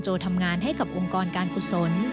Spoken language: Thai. โจ้ค็อกซ์ทำงานให้กับองค์กรการกุศล